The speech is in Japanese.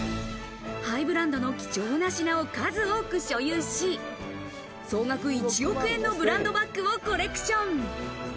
ハイブランドの貴重な品を数多く所有し、総額１億円のブランドバッグをコレクション。